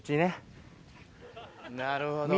なるほどね。